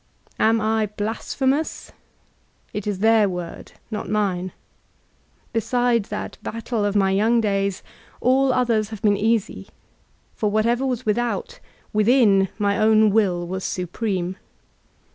Am I blasphemous? It is their word, not mine. Beside that battle of my young days all others have been easy, for whatever was without, within my own Will was supreme.